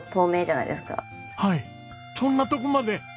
はいそんなとこまで。